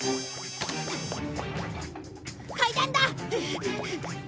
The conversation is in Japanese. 階段だ！